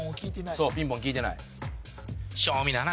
そうピンポン聞いてない正味な話